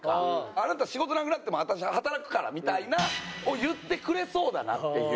「あなた仕事なくなっても私働くから」みたいな。を言ってくれそうだなっていう。